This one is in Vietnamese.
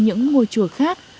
những ngôi chùa khác